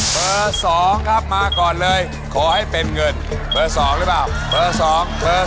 เบอร์๒ครับมาก่อนเลยขอให้เป็นเงินเบอร์๒หรือเปล่าเบอร์๒เบอร์๒